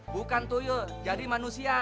bukan tuyul jadi manusia